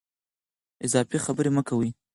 اضافي خبرې مه کوئ.